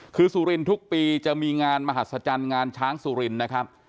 คือสุรินทุกปีจะมีงานมหัศจรรย์งานช้างสุรินนะครับ